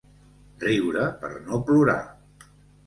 Riure per no plorar.